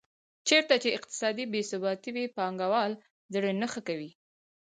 چېرته چې اقتصادي بې ثباتي وي پانګوال زړه نه ښه کوي.